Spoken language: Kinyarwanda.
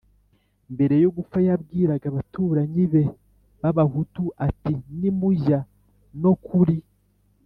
Mbere yo gupfa yabwiraga abaturanyi be b Abahutu ati Nimujya no kuri